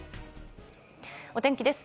お天気です。